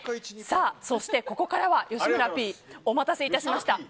そしてここからは吉村Ｐお待たせいたしました。